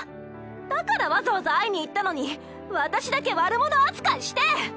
だからわざわざ会いに行ったのに私だけ悪者扱いして！